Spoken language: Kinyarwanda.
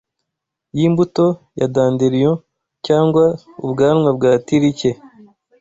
Yimbuto ya dandelion cyangwa ubwanwa bwa tirike